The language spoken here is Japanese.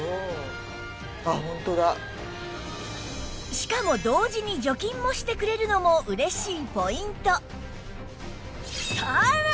しかも同時に除菌もしてくれるのも嬉しいポイント